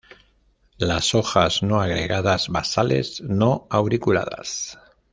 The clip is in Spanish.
Las hojas no agregadas basales; no auriculadas.